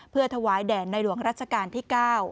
เพื่อถวายแด่ในหลวงรัชกาลที่๙